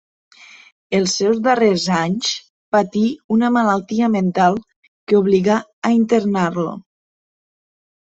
Els seus darrers anys patí una malaltia mental que obligà a internar-lo.